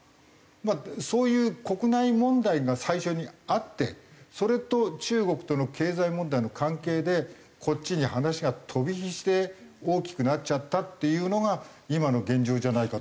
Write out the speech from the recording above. そういう国内問題が最初にあってそれと中国との経済問題の関係でこっちに話が飛び火して大きくなっちゃったっていうのが今の現状じゃないかと思う。